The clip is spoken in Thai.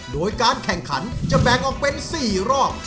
โดยการแข่งขันจะแบ่งออกเป็น๔รอบ